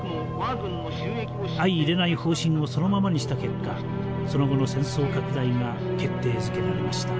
相いれない方針をそのままにした結果その後の戦争拡大が決定づけられました。